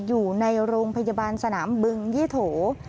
อยู่ในโรงพยาบาลสนามบึงยี่โถ